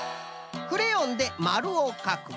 クレヨンでまるをかく。